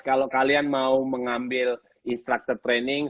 kalau kalian mau mengambil instructure training